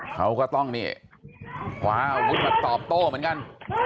เขาก็ต้องนี่คว้าอาวุธมาตอบโต้เหมือนกัน